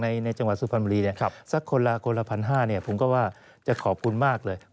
ในจังหวัดสุพรรณบุรีสักคนละคนละ๑๕๐๐ผมก็ว่าจะขอบคุณมากเลย